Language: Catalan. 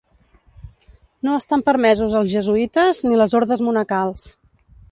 No estan permesos els jesuïtes, ni les ordes monacals.